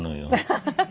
ハハハハ。